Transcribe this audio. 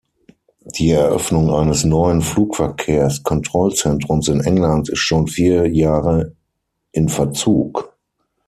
Die Eröffnung eines neuen Flugverkehrskontrollzentrums in England ist schon vier Jahre in Verzug.